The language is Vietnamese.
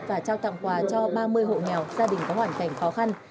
và trao tặng quà cho ba mươi hộ nghèo gia đình có hoàn cảnh khó khăn